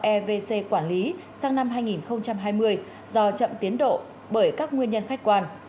evc quản lý sang năm hai nghìn hai mươi do chậm tiến độ bởi các nguyên nhân khách quan